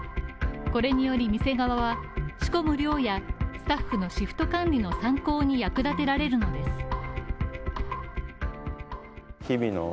これにより店側は仕込む量やスタッフのシフト管理の参考に役立てられるのです。